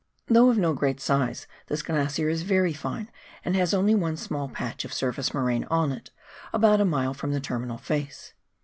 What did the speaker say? Though of no great size, this glacier is very fine, and has only one small patch of surface moraine on it, about a mile from the terminal face.